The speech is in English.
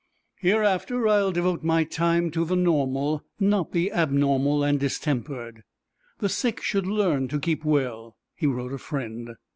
"Hereafter I'll devote my time to the normal, not the abnormal and distempered. The sick should learn to keep well," he wrote a friend.